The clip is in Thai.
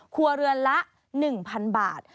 ครัวเรือนละ๑๐๐๐บาท